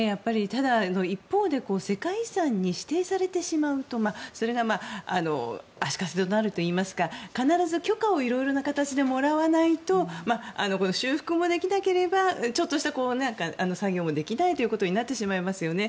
ただ、一方で世界遺産に指定されてしまうとそれが足かせとなるといいますか必ず許可を色々な形でもらわないと修復もできなければちょっとした作業もできないということになってしまいますよね。